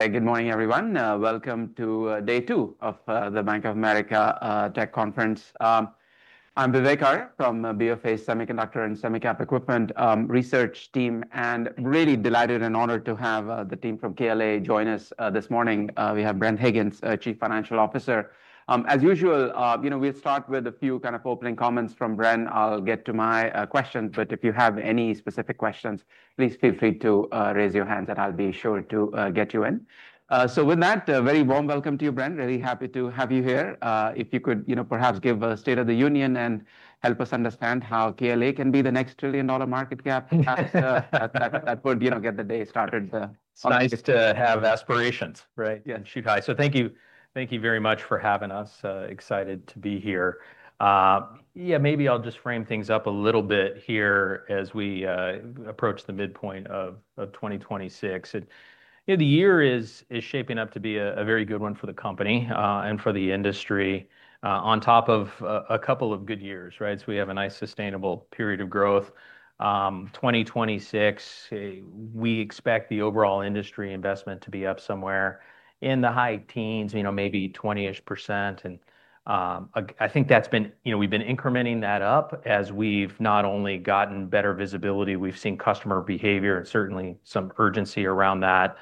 Good morning, everyone. Welcome to day two of the Bank of America Tech Conference. I'm Vivek Arya from the BofA Semiconductor and Semi Cap Equipment research team, and really delighted and honored to have the team from KLA join us this morning. We have Bren Higgins, Chief Financial Officer. As Available, we'll start with a few opening comments from Bren. I'll get to my questions, but if you have any specific questions, please feel free to raise your hands and I'll be sure to get you in. With that, a very warm welcome to you, Bren. Really happy to have you here. If you could perhaps give a state of the union and help us understand how KLA can be the next trillion-dollar market cap, perhaps that would get the day started. It's nice to have aspirations, right? Yeah. Shoot high. Thank you very much for having us. Excited to be here. Maybe I'll just frame things up a little bit here as we approach the midpoint of 2026. The year is shaping up to be a very good one for the company and for the industry, on top of a couple of good years. We have a nice sustainable period of growth. 2026, we expect the overall industry investment to be up somewhere in the high teens, maybe 20%. I think we've been incrementing that up as we've not only gotten better visibility, we've seen customer behavior and certainly some urgency around that.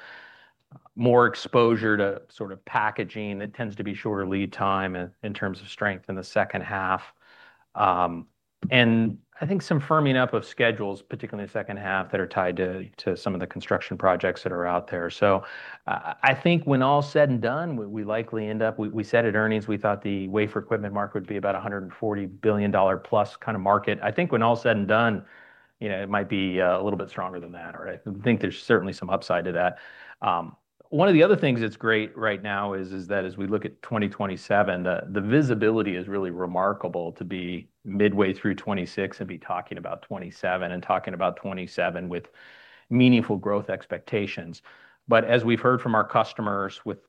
More exposure to packaging that tends to be shorter lead time in terms of strength in the second half. I think some firming up of schedules, particularly the second half, that are tied to some of the construction projects that are out there. I think when all's said and done, we likely end up, we said at earnings we thought the wafer equipment market would be about $140 billion+ kind of market. I think when all's said and done, it might be a little bit stronger than that. I think there's certainly some upside to that. One of the other things that's great right now is that as we look at 2027, the visibility is really remarkable to be midway through 2026 and be talking about 2027, and talking about 2027 with meaningful growth expectations. As we've heard from our customers with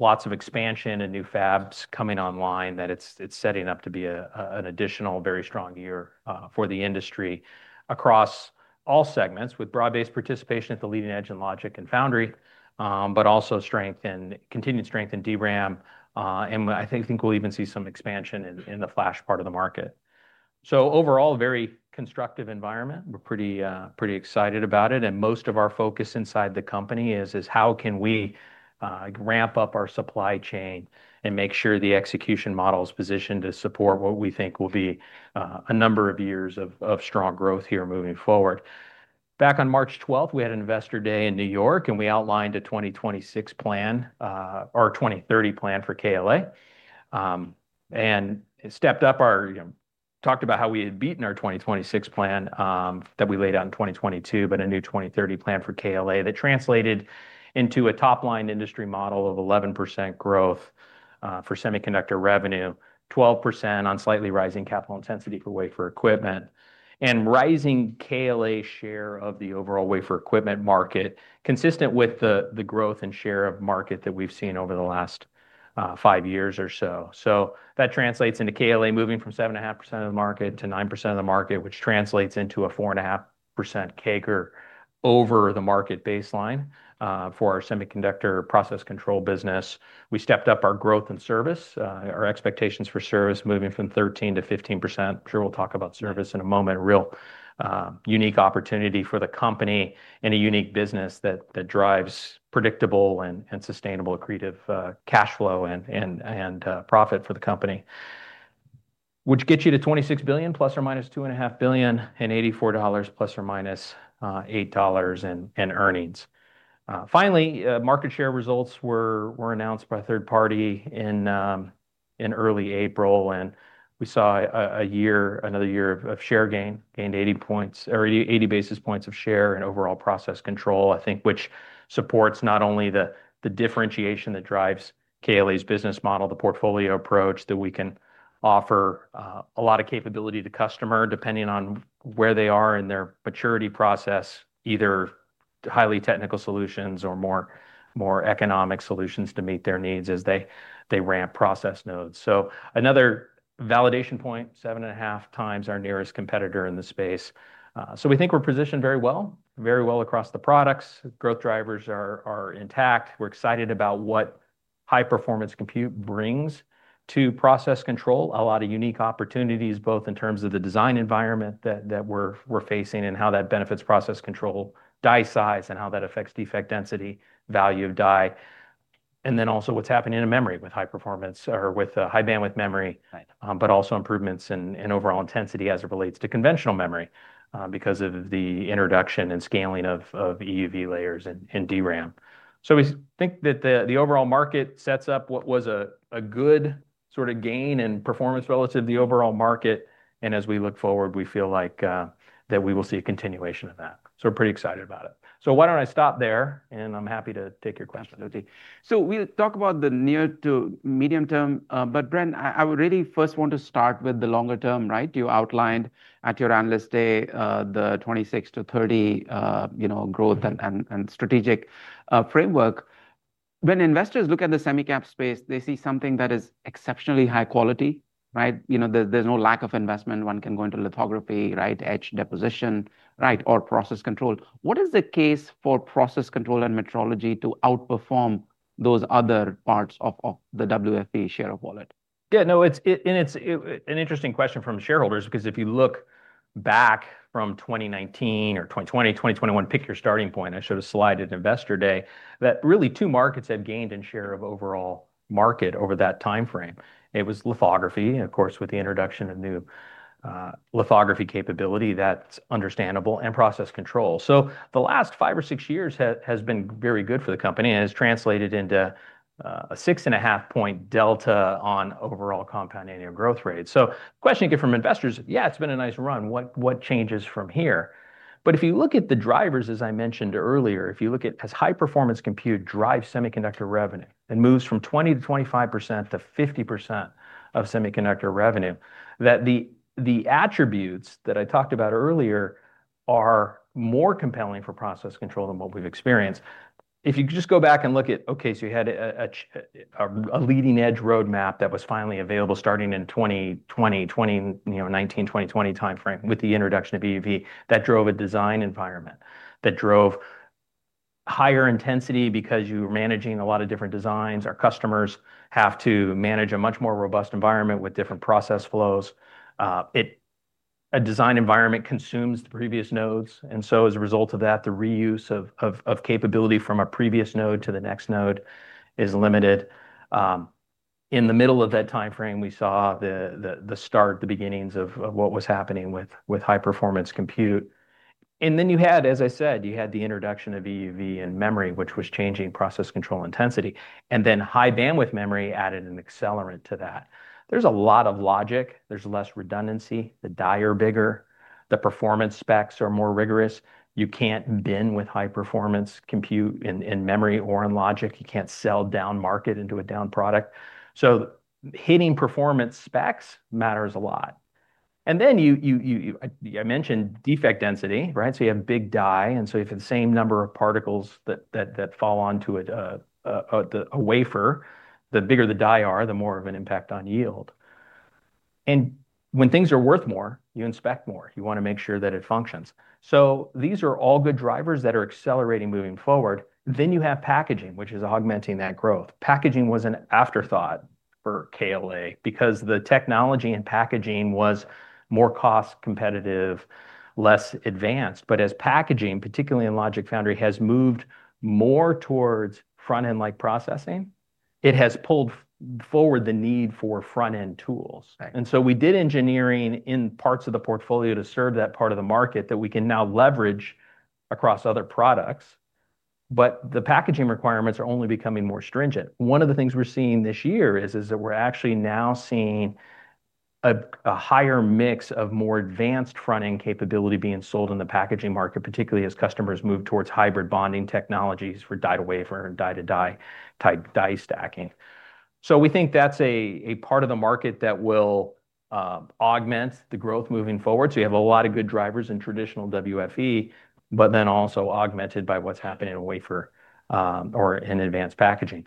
lots of expansion and new fabs coming online, that it's setting up to be an additional very strong year for the industry across all segments with broad-based participation at the leading edge in logic and foundry. I think we'll even see some expansion in the flash part of the market. Overall, very constructive environment. We're pretty excited about it, and most of our focus inside the company is how can we ramp up our supply chain and make sure the execution model is positioned to support what we think will be a number of years of strong growth here moving forward. Back on March 12th, we had an Investor Day in New York, and we outlined a 2026 plan, our 2030 plan for KLA. It talked about how we had beaten our 2026 plan that we laid out in 2022, but a new 2030 plan for KLA that translated into a top-line industry model of 11% growth for semiconductor revenue, 12% on slightly rising capital intensity for wafer equipment. Rising KLA share of the overall wafer equipment market, consistent with the growth and share of market that we've seen over the last five years or so. That translates into KLA moving from 7.5% of the market to 9% of the market, which translates into a 4.5% CAGR over the market baseline for our semiconductor process control business. We stepped up our growth and service, our expectations for service moving from 13%-15%. I'm sure we'll talk about service in a moment. Real unique opportunity for the company and a unique business that drives predictable and sustainable accretive cash flow and profit for the company. Which gets you to $26 billion ± $2.5 billion, and $84 ± $8 in earnings. Market share results were announced by a third party in early April, and we saw another year of share gain. Gained 80 basis points of share in overall process control, I think, which supports not only the differentiation that drives KLA's business model, the portfolio approach, that we can offer a lot of capability to customer depending on where they are in their maturity process, either highly technical solutions or more economic solutions to meet their needs as they ramp process nodes. Another validation point, 7.5x Our nearest competitor in the space. We think we're positioned very well. Very well across the products. Growth drivers are intact. We're excited about what High-Performance Compute brings to process control. A lot of unique opportunities, both in terms of the design environment that we're facing and how that benefits process control, die size, and how that affects defect density, value of die. Then also what's happening in memory with high performance or with High Bandwidth Memory. Right. Also, improvements in overall intensity as it relates to conventional memory, because of the introduction and scaling of EUV layers and DRAM. We think that the overall market sets up what was a good gain in performance relative to the overall market. As we look forward, we feel like that we will see a continuation of that. We're pretty excited about it. Why don't I stop there, and I'm happy to take your questions. Absolutely. We'll talk about the near to medium term. Bren, I would really first want to start with the longer term. You outlined at your Investor Day, the 26-30 growth and strategic framework. When investors look at the semi-cap space, they see something that is exceptionally high-quality, right? There's no lack of investment. One can go into lithography, right, etch deposition, right, or process control. What is the case for process control and metrology to outperform those other parts of the WFE share of wallet? Yeah, no, it's an interesting question from shareholders because if you look back from 2019 or 2020, 2021, pick your starting point, I showed a slide at Investor Day that really two markets had gained in share of overall market over that timeframe. It was lithography, of course, with the introduction of new lithography capability that's understandable, and Process Control. The last five or six years has been very good for the company and has translated into a 6.5 point delta on overall compound annual growth rate. Question you get from investors, yeah, it's been a nice run. What changes from here? If you look at the drivers, as I mentioned earlier, if you look at as High-Performance Compute drives semiconductor revenue and moves from 20%-25%-50% of semiconductor revenue, that the attributes that I talked about earlier are more compelling for process control than what we've experienced. If you could just go back and look at, okay, so you had a leading-edge roadmap that was finally available starting in 2020, 2019, 2020 timeframe with the introduction of EUV that drove a design environment, that drove higher intensity because you were managing a lot of different designs. Our customers have to manage a much more robust environment with different process flows. A design environment consumes the previous nodes, and so as a result of that, the reuse of capability from a previous node to the next node is limited. In the middle of that timeframe, we saw the start, the beginnings of what was happening with High-Performance Compute. Then you had, as I said, you had the introduction of EUV and memory, which was changing process control intensity, then High Bandwidth Memory added an accelerant to that. There's a lot of logic, there's less redundancy. The die are bigger. The performance specs are more rigorous. You can't bin with High-Performance Compute in memory or in logic. You can't sell down market into a down product. Hitting performance specs matters a lot. Then I mentioned defect density, right? So if the same number of particles that fall onto a wafer, the bigger the die are, the more of an impact on yield. When things are worth more, you inspect more. You want to make sure that it functions. These are all good drivers that are accelerating moving forward. You have packaging, which is augmenting that growth. Packaging was an afterthought for KLA because the technology in packaging was more cost competitive, less advanced. As packaging, particularly in Logic Foundry, has moved more towards front-end like processing, it has pulled forward the need for front-end tools. Right. We did engineering in parts of the portfolio to serve that part of the market that we can now leverage across other products, but the packaging requirements are only becoming more stringent. One of the things we're seeing this year is that we're actually now seeing a higher mix of more advanced front-end capability being sold in the packaging market, particularly as customers move towards hybrid bonding technologies for die to wafer and die to die type die stacking. We think that's a part of the market that will augment the growth moving forward. You have a lot of good drivers in traditional WFE, but then also augmented by what's happening in wafer, or in advanced packaging.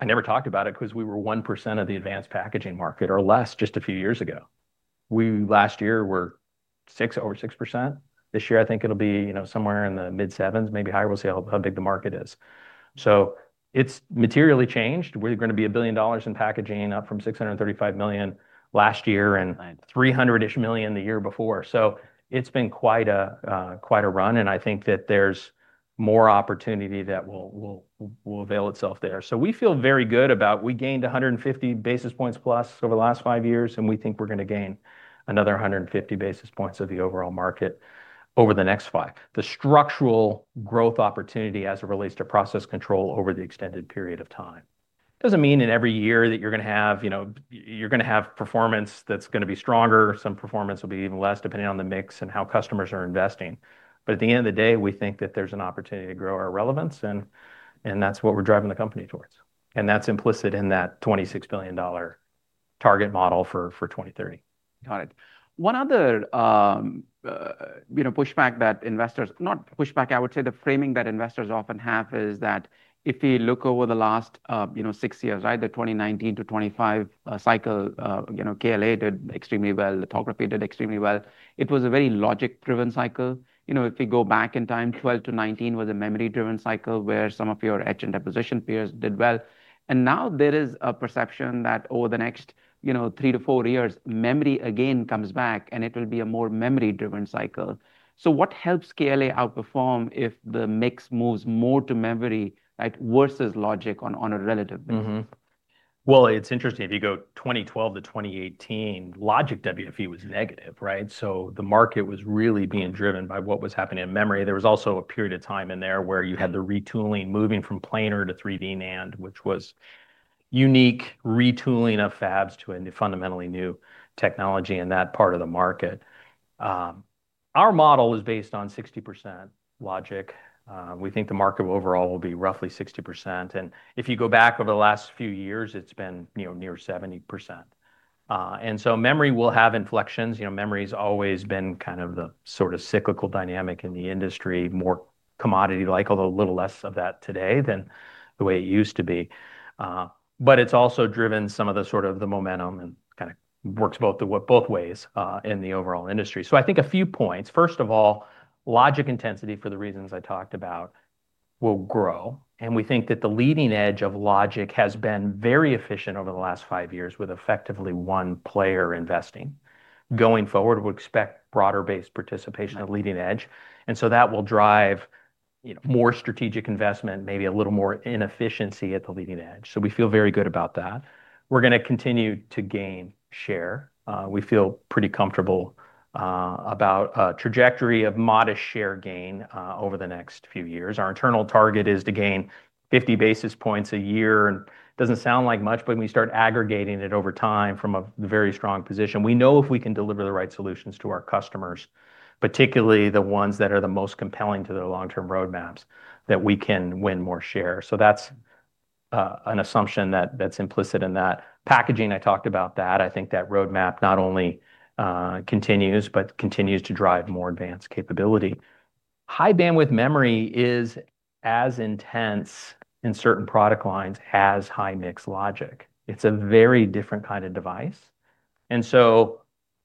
I never talked about it because we were 1% of the advanced packaging market or less just a few years ago. We, last year, were over 6%. This year, I think it'll be somewhere in the mid sevens, maybe higher. We'll see how big the market is. It's materially changed. We're going to be $1 billion in packaging, up from $635 million last year. Right. $300-ish million the year before. It's been quite a run, and I think that there's more opportunity that will avail itself there. We feel very good about, we gained 150 basis points plus over the last five years, and we think we're going to gain another 150 basis points of the overall market over the next five. The structural growth opportunity as it relates to process control over the extended period of time. Doesn't mean in every year that you're going to have performance that's going to be stronger. Some performance will be even less, depending on the mix and how customers are investing. At the end of the day, we think that there's an opportunity to grow our relevance and that's what we're driving the company towards, and that's implicit in that $26 billion target model for 2030. Got it. One other pushback that investors, not pushback, I would say the framing that investors often have is that if we look over the last six years, right, the 2019-2025 cycle, KLA did extremely well, lithography did extremely well. It was a very logic driven cycle. If we go back in time, 2012-2019 was a memory driven cycle where some of your etch and deposition peers did well. Now there is a perception that over the next three to four years, memory again comes back and it'll be a more memory driven cycle. What helps KLA outperform if the mix moves more to memory versus logic on a relative basis? Well, it's interesting, if you go 2012-2018, logic WFE was negative, right? The market was really being driven by what was happening in memory. There was also a period of time in there where you had the retooling moving from planar to 3D NAND, which was unique retooling of fabs to a fundamentally new technology in that part of the market. Our model is based on 60% logic. We think the market overall will be roughly 60%. If you go back over the last few years, it's been near 70%. Memory will have inflections. Memory's always been kind of the sort of cyclical dynamic in the industry, more commodity-like, although a little less of that today than the way it used to be. It's also driven some of the sort of the momentum and kind of works both ways in the overall industry. I think a few points. First of all, logic intensity, for the reasons I talked about, will grow, and we think that the leading edge of logic has been very efficient over the last five years, with effectively one player investing. Going forward, we'll expect broader-based participation at leading edge, that will drive more strategic investment, maybe a little more inefficiency at the leading edge. We feel very good about that. We're going to continue to gain share. We feel pretty comfortable about a trajectory of modest share gain over the next few years. Our internal target is to gain 50 basis points a year, and doesn't sound like much, but when you start aggregating it over time from a very strong position, we know if we can deliver the right solutions to our customers, particularly the ones that are the most compelling to their long-term roadmaps, that we can win more share. That's an assumption that's implicit in that. Packaging, I talked about that. I think that roadmap not only continues, but continues to drive more advanced capability. High Bandwidth Memory is as intense in certain product lines as high-mix logic. It's a very different kind of device.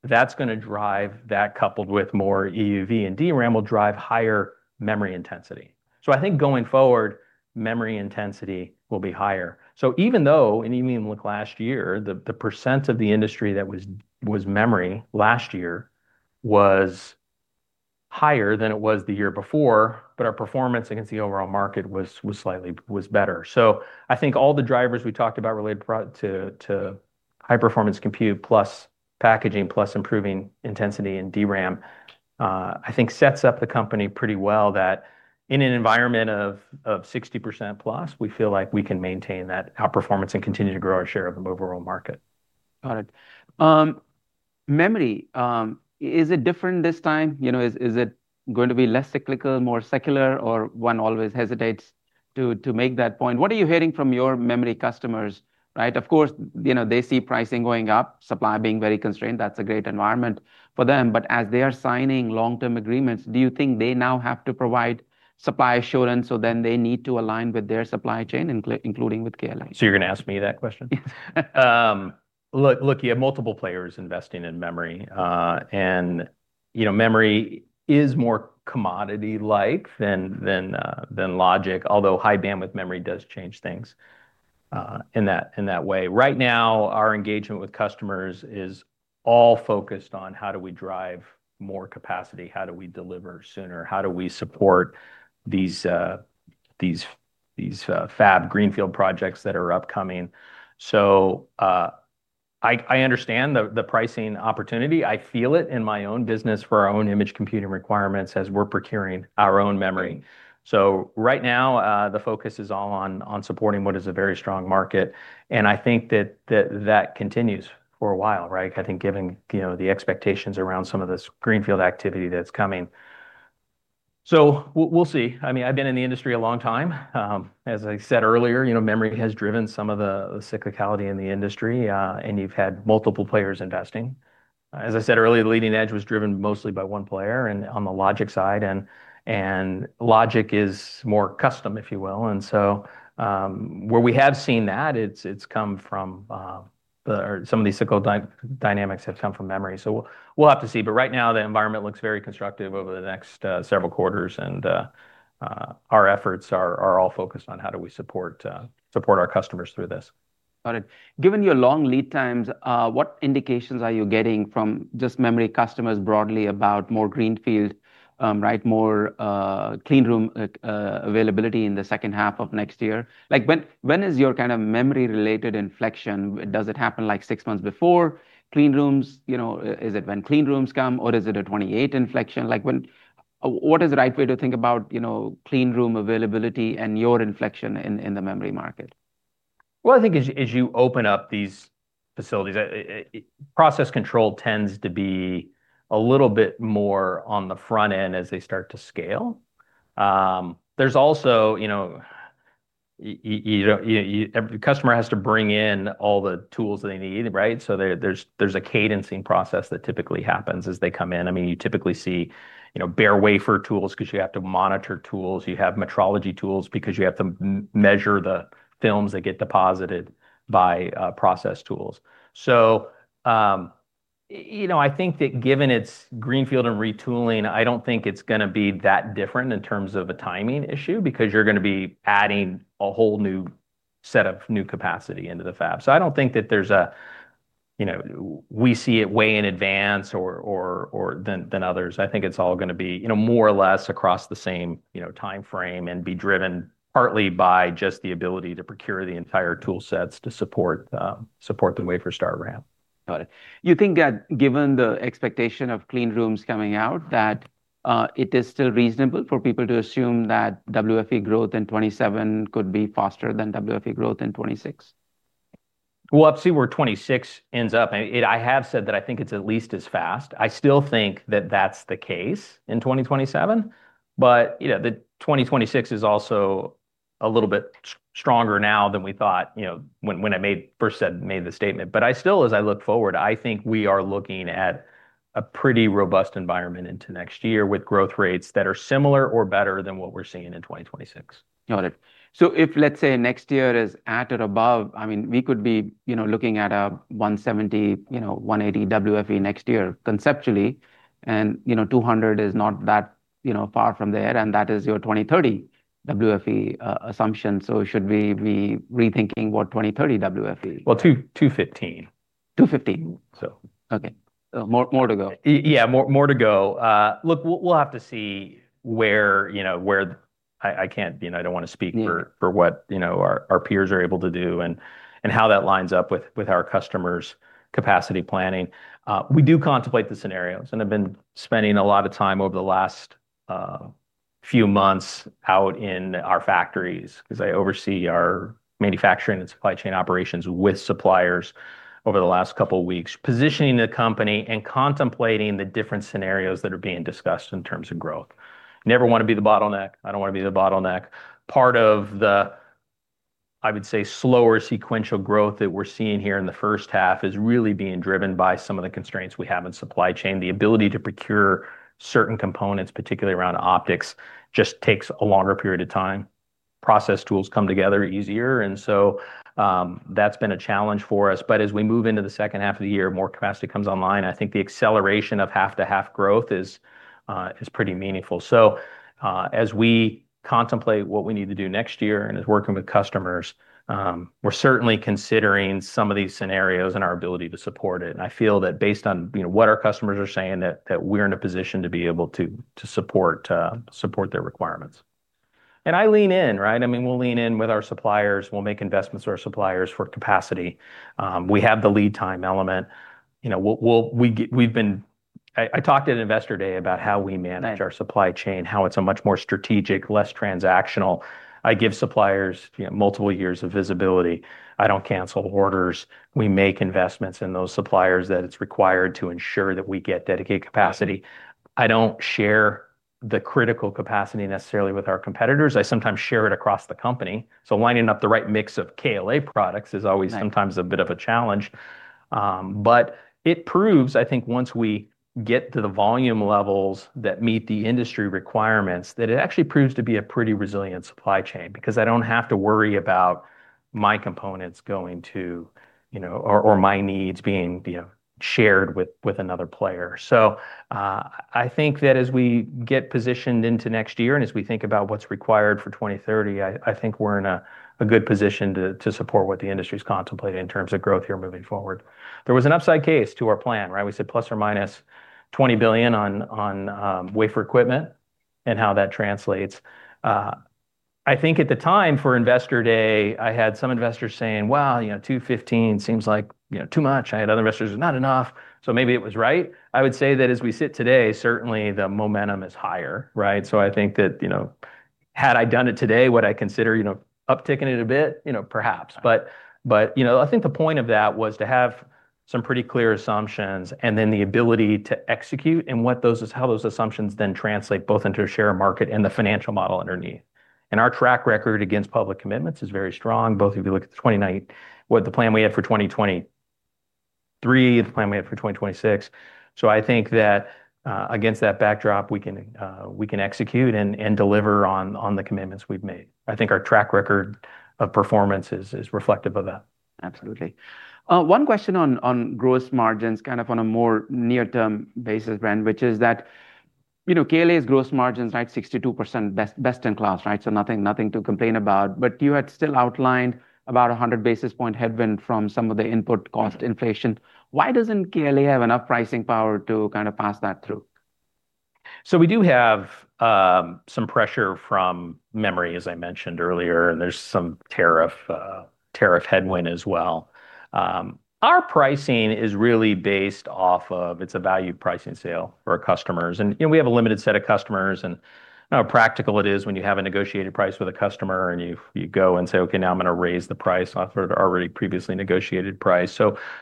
That's going to drive, that coupled with more EUV and DRAM, will drive higher memory intensity. I think going forward, memory intensity will be higher. Even though, and even last year, the percent of the industry that was memory last year was higher than it was the year before, but our performance against the overall market was better. I think all the drivers we talked about related to High-Performance compute plus packaging plus improving intensity in DRAM, I think sets up the company pretty well that in an environment of 60%+, we feel like we can maintain that outperformance and continue to grow our share of the overall market. Got it. Memory, is it different this time? Is it going to be less cyclical, more secular, or one always hesitates to make that point? What are you hearing from your memory customers, right? Of course, they see pricing going up, supply being very constrained. That's a great environment for them. As they are signing long-term agreements, do you think they now have to provide supply assurance, so then they need to align with their supply chain, including with KLA? You're going to ask me that question? Look, you have multiple players investing in memory, and memory is more commodity-like than logic, although High Bandwidth Memory does change things in that way. Right now, our engagement with customers is all focused on how do we drive more capacity, how do we deliver sooner, how do we support these fab greenfield projects that are upcoming. I understand the pricing opportunity. I feel it in my own business for our own image computing requirements as we're procuring our own memory. Right now, the focus is all on supporting what is a very strong market, and I think that continues for a while, right? I think given the expectations around some of this greenfield activity that's coming. We'll see. I've been in the industry a long time. As I said earlier, memory has driven some of the cyclicality in the industry, and you've had multiple players investing. As I said earlier, leading edge was driven mostly by one player and on the logic side, and logic is more custom, if you will. Where we have seen that, some of these cyclical dynamics have come from memory, so we'll have to see. Right now, the environment looks very constructive over the next several quarters, and our efforts are all focused on how do we support our customers through this. Got it. Given your long lead times, what indications are you getting from just memory customers broadly about more greenfield, right, more clean room availability in the second half of 2027? When is your kind of memory-related inflection? Does it happen six months before clean rooms? Is it when clean rooms come, or is it a 2028 inflection? What is the right way to think about clean room availability and your inflection in the memory market? I think as you open up these facilities, process control tends to be a little bit more on the front end as they start to scale. There's also, the customer has to bring in all the tools that they need, right? There's a cadencing process that typically happens as they come in. You typically see bare wafer tools because you have to monitor tools. You have metrology tools because you have to measure the films that get deposited by process tools. I think that given its greenfield and retooling, I don't think it's going to be that different in terms of a timing issue, because you're going to be adding a whole new set of new capacity into the fab. I don't think that we see it way in advance than others. I think it's all going to be more or less across the same timeframe and be driven partly by just the ability to procure the entire tool sets to support the wafer start ramp. Got it. You think that given the expectation of clean rooms coming out, that it is still reasonable for people to assume that WFE growth in 2027 could be faster than WFE growth in 2026? We'll have to see where 2026 ends up. I have said that I think it's at least as fast. I still think that that's the case in 2027, 2026 is also a little bit stronger now than we thought when I first made the statement. I still, as I look forward, I think we are looking at a pretty robust environment into next year with growth rates that are similar or better than what we're seeing in 2026. Got it. If, let's say, next year is at or above, we could be looking at a 170, 180 WFE next year conceptually, 200 is not that far from there, that is your 2030 WFE assumption. Should we be rethinking what 2030 WFE? Well, $215. $215. So. Okay. More to go. Yeah. More to go. Look, we'll have to see. I don't want to speak. Yeah What our peers are able to do and how that lines up with our customers' capacity planning. We do contemplate the scenarios, and I've been spending a lot of time over the last few months out in our factories because I oversee our manufacturing and supply chain operations with suppliers over the last couple weeks, positioning the company and contemplating the different scenarios that are being discussed in terms of growth. Never want to be the bottleneck. I don't want to be the bottleneck. Part of the, I would say, slower sequential growth that we're seeing here in the first half is really being driven by some of the constraints we have in supply chain. The ability to procure certain components, particularly around optics, just takes a longer period of time. Process tools come together easier. That's been a challenge for us. As we move into the second half of the year, more capacity comes online. I think the acceleration of half-to-half growth is pretty meaningful. As we contemplate what we need to do next year and is working with customers, we're certainly considering some of these scenarios and our ability to support it. I feel that based on what our customers are saying, that we're in a position to be able to support their requirements. I lean in, right? We'll lean in with our suppliers. We'll make investments to our suppliers for capacity. We have the lead time element. I talked at Investor Day about how we manage our supply chain, how it's a much more strategic, less transactional. I give suppliers multiple years of visibility. I don't cancel orders. We make investments in those suppliers that it's required to ensure that we get dedicated capacity. I don't share the critical capacity necessarily with our competitors. I sometimes share it across the company. lining up the right mix of KLA products is always sometimes. Right. A bit of a challenge. It proves, I think, once we get to the volume levels that meet the industry requirements, that it actually proves to be a pretty resilient supply chain because I don't have to worry about my components going to or my needs being shared with another player. I think that as we get positioned into next year and as we think about what's required for 2030, I think we're in a good position to support what the industry's contemplating in terms of growth here moving forward. There was an upside case to our plan, right? We said ±$20 billion on wafer equipment and how that translates. I think at the time for Investor Day, I had some investors saying, "Wow, $215 billion seems like too much." I had other investors, "Not enough." Maybe it was right. I would say that as we sit today, certainly the momentum is higher, right? I think that, had I done it today, would I consider upticking it a bit? Perhaps. I think the point of that was to have some pretty clear assumptions and then the ability to execute and how those assumptions then translate both into a share of market and the financial model underneath. Our track record against public commitments is very strong, both if you look at the plan we had for 2023, the plan we had for 2026. I think that against that backdrop, we can execute and deliver on the commitments we've made. I think our track record of performance is reflective of that. Absolutely. One question on gross margins, kind of on a more near-term basis, Bren, which is that KLA's gross margins at 62%, best in class. Nothing to complain about, but you had still outlined about 100 basis point headwind from some of the input cost inflation. Why doesn't KLA have enough pricing power to kind of pass that through? We do have some pressure from memory, as I mentioned earlier, and there's some tariff headwind as well. Our pricing is really based off of, it's a value pricing sale for our customers. We have a limited set of customers, and how practical it is when you have a negotiated price with a customer and you go and say, "Okay, now I'm going to raise the price off of the already previously negotiated price."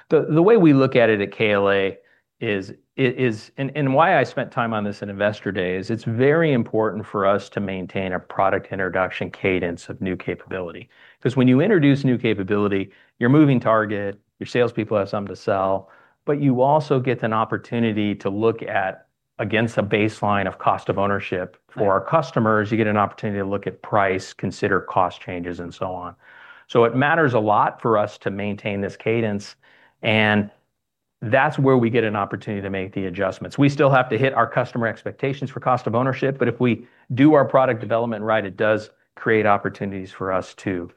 The way we look at it at KLA is, and why I spent time on this in Investor Day, is it's very important for us to maintain a product introduction cadence of new capability. When you introduce new capability, you're a moving target, your salespeople have something to sell, but you also get an opportunity to look at against a baseline of cost of ownership for our customers. You get an opportunity to look at price, consider cost changes, and so on. It matters a lot for us to maintain this cadence, and that's where we get an opportunity to make the adjustments. We still have to hit our customer expectations for cost of ownership, but if we do our product development right, it does create opportunities for us to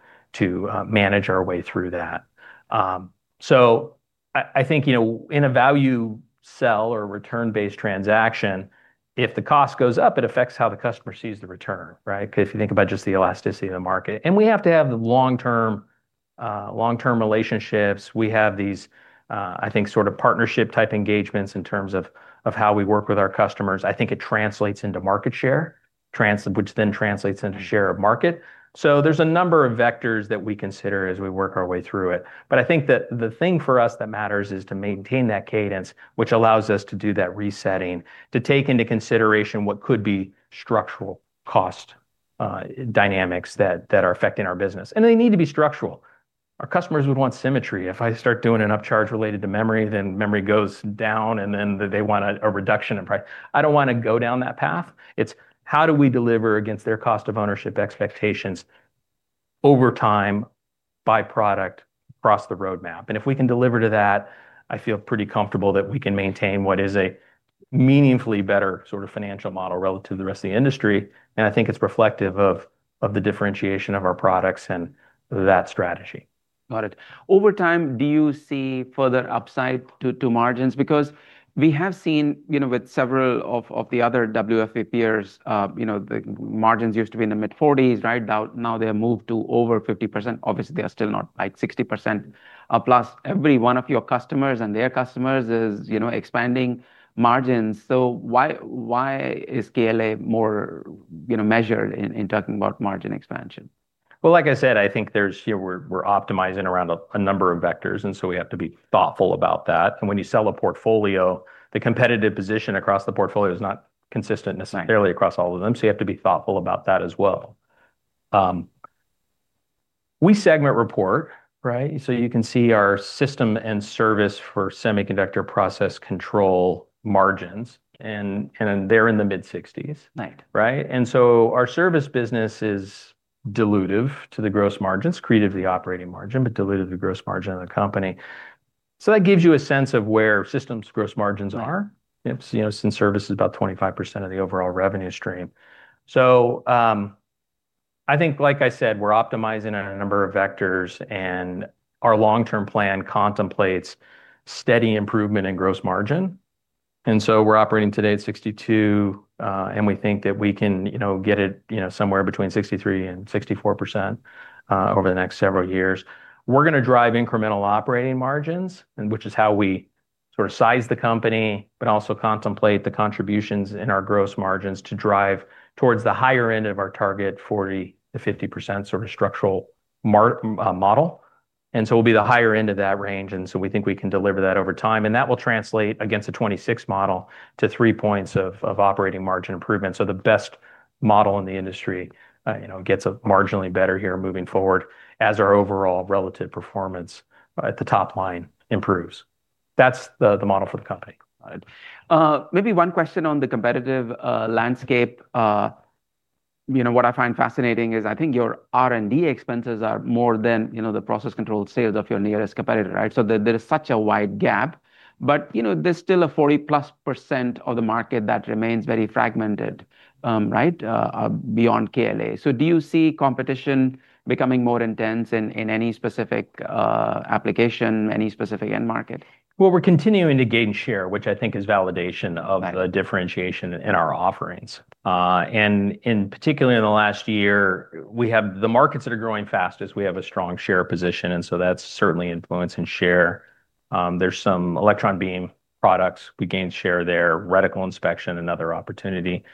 manage our way through that. I think in a value sell or return-based transaction, if the cost goes up, it affects how the customer sees the return, right? Because if you think about just the elasticity of the market. We have to have the long-term relationships. We have these, I think, sort of partnership type engagements in terms of how we work with our customers. I think it translates into market share, which then translates into share of market. There's a number of vectors that we consider as we work our way through it. I think that the thing for us that matters is to maintain that cadence, which allows us to do that resetting, to take into consideration what could be structural cost dynamics that are affecting our business, and they need to be structural. Our customers would want symmetry. If I start doing an upcharge related to memory, then memory goes down, and then they want a reduction in price. I don't want to go down that path. It's how do we deliver against their cost of ownership expectations over time, by product, across the roadmap? If we can deliver to that, I feel pretty comfortable that we can maintain what is a meaningfully better financial model relative to the rest of the industry. I think it's reflective of the differentiation of our products and that strategy. Got it. Over time, do you see further upside to margins? We have seen, with several of the other WFE peers, the margins used to be in the mid-40s, right? Now they have moved to over 50%. Obviously, they are still not like 60%+. Every one of your customers and their customers is expanding margins. Why is KLA more measured in talking about margin expansion? Well, like I said, I think we're optimizing around a number of vectors, we have to be thoughtful about that. When you sell a portfolio, the competitive position across the portfolio is not consistent necessarily. Right. Across all of them, so you have to be thoughtful about that as well. We segment report, right? You can see our system and service for semiconductor process control margins, and they're in the mid-60s. Right. Right. Our service business is dilutive to the gross margins, accretive to the operating margin, but dilutive to the gross margin of the company. That gives you a sense of where systems gross margins are. Since service is about 25% of the overall revenue stream. I think, like I said, we're optimizing on a number of vectors, and our long-term plan contemplates steady improvement in gross margin. We're operating today at 62%, and we think that we can get it somewhere between 63%-64% over the next several years. We're going to drive incremental operating margins, which is how we size the company, but also contemplate the contributions in our gross margins to drive towards the higher end of our target 40%-50% structural model. We'll be the higher end of that range, and so we think we can deliver that over time, and that will translate against a 2026 model to three points of operating margin improvement. The best model in the industry gets marginally better here moving forward as our overall relative performance at the top line improves. That's the model for the company. Got it. Maybe one question on the competitive landscape. What I find fascinating is I think your R&D expenses are more than the process control sales of your nearest competitor, right? There's still a 40 %+ of the market that remains very fragmented, right, beyond KLA. Do you see competition becoming more intense in any specific application, any specific end market? Well, we're continuing to gain share, which I think is validation of. Right The differentiation in our offerings. Particularly in the last year, the markets that are growing fastest, we have a strong share position, that's certainly influencing share. There's some electron beam products, we gained share there. Reticle inspection, another opportunity,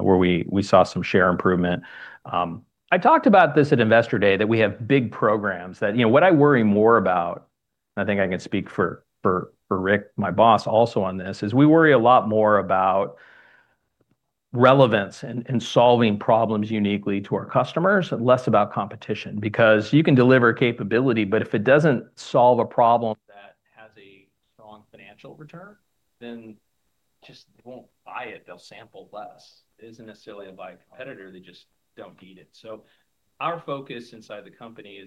where we saw some share improvement. I talked about this at Investor Day, that we have big programs. What I worry more about, I think I can speak for Rick, my boss, also on this, is we worry a lot more about relevance and solving problems uniquely to our customers and less about competition. You can deliver capability, if it doesn't solve a problem that has a strong financial return, just they won't buy it. They'll sample less. Isn't necessarily a buy competitor, they just don't need it. Our focus inside the company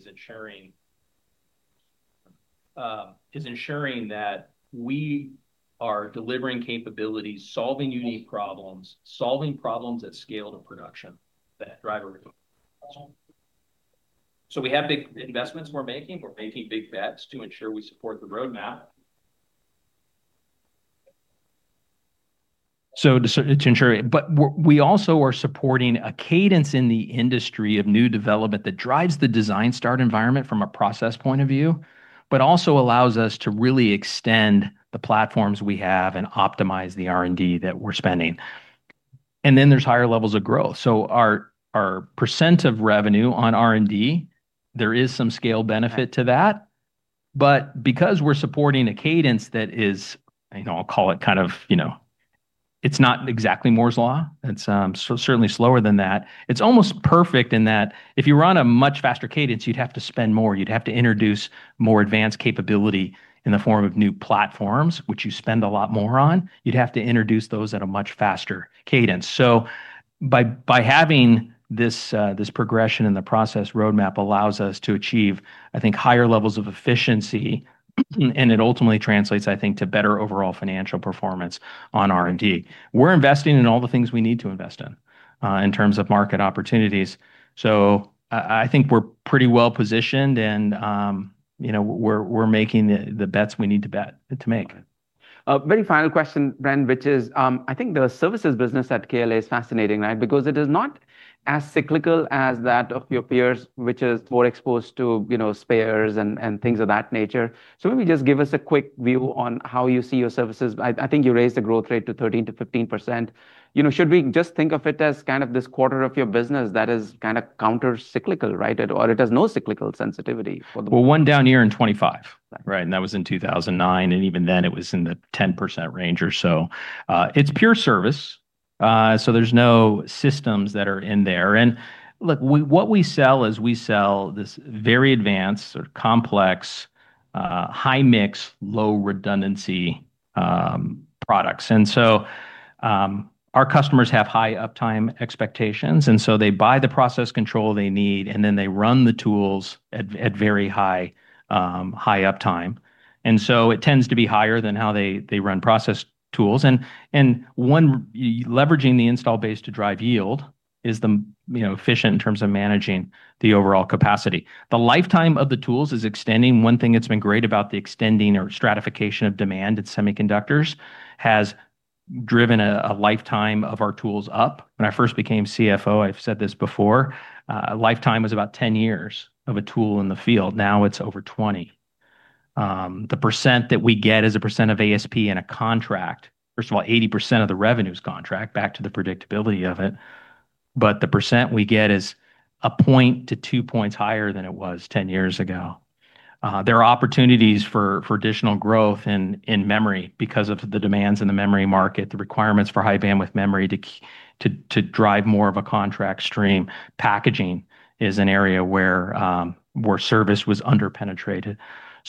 is ensuring that we are delivering capabilities, solving unique problems, solving problems at scale to production that drive revenue. We have big investments we're making. We're making big bets to ensure we support the roadmap. We also are supporting a cadence in the industry of new development that drives the design start environment from a process point of view, but also allows us to really extend the platforms we have and optimize the R&D that we're spending. Then there's higher levels of growth. Our percent of revenue on R&D, there is some scale benefit to that. Because we're supporting a cadence that is, I'll call it kind of, it's not exactly Moore's Law, it's certainly slower than that. It's almost perfect in that if you run a much faster cadence, you'd have to spend more. You'd have to introduce more advanced capability in the form of new platforms, which you spend a lot more on. You'd have to introduce those at a much faster cadence. By having this progression in the process roadmap allows us to achieve, I think, higher levels of efficiency, and it ultimately translates, I think, to better overall financial performance on R&D. We're investing in all the things we need to invest in terms of market opportunities. I think we're pretty well-positioned and we're making the bets we need to make. Very final question, Bren. I think the services business at KLA is fascinating, right? Because it is not as cyclical as that of your peers, which is more exposed to spares and things of that nature. Maybe just give us a quick view on how you see your services. I think you raised the growth rate to 13%-15%. Should we just think of it as this quarter of your business that is counter-cyclical, right? Well, one down year in 2025. Right. Right, that was in 2009, even then it was in the 10% range or so. It's pure service. There's no systems that are in there. Look, what we sell is we sell this very advanced, sort of complex, high mix, low redundancy products. Our customers have high uptime expectations, they buy the process control they need, they run the tools at very high uptime. It tends to be higher than how they run process tools. One, leveraging the install base to drive yield is efficient in terms of managing the overall capacity. The lifetime of the tools is extending. One thing that's been great about the extending or stratification of demand at semiconductors has driven a lifetime of our tools up. When I first became CFO, I've said this before, a lifetime was about 10 years of a tool in the field. Now it's over 20. The percent that we get is a percent of ASP in a contract. First of all, 80% of the revenue's contract, back to the predictability of it, but the percent we get is 1-2 points higher than it was 10 years ago. There are opportunities for additional growth in memory because of the demands in the memory market, the requirements for High Bandwidth Memory to drive more of a contract stream. Packaging is an area where service was under-penetrated.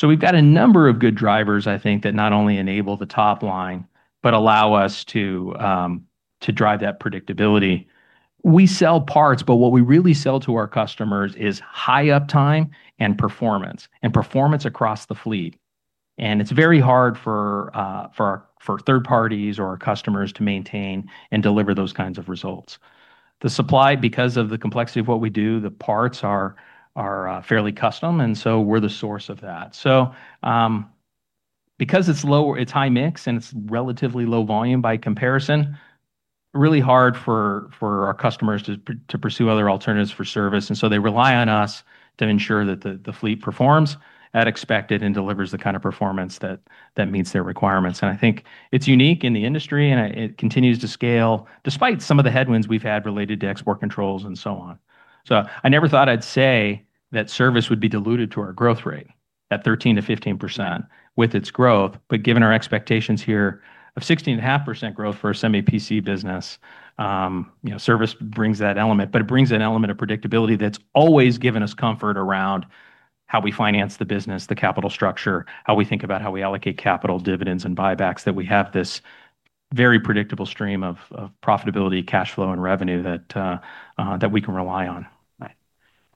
We've got a number of good drivers, I think, that not only enable the top line, but allow us to drive that predictability. We sell parts, but what we really sell to our customers is high uptime and performance, and performance across the fleet. It's very hard for third parties or our customers to maintain and deliver those kinds of results. The supply, because of the complexity of what we do, the parts are fairly custom, and so we're the source of that. Because it's high mix and it's relatively low volume by comparison, really hard for our customers to pursue other alternatives for service. They rely on us to ensure that the fleet performs at expected and delivers the kind of performance that meets their requirements. I think it's unique in the industry, and it continues to scale despite some of the headwinds we've had related to export controls and so on. I never thought I'd say that service would be diluted to our growth rate at 13%-15% with its growth, given our expectations here of 16.5% growth for a Semi PC business, service brings that element. It brings an element of predictability that's always given us comfort around how we finance the business, the capital structure, how we think about how we allocate capital dividends and buybacks, that we have this very predictable stream of profitability, cash flow, and revenue that we can rely on. Right.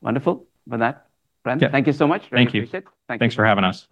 Wonderful. With that, Bren- Yeah Thank you so much. Thank you. Really appreciate it. Thank you. Thanks for having us.